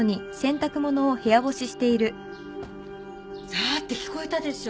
ザーって聞こえたでしょ。